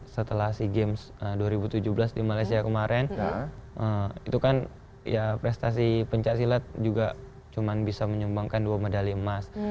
setelah sea games dua ribu tujuh belas di malaysia kemarin itu kan ya prestasi pencaksilat juga cuma bisa menyumbangkan dua medali emas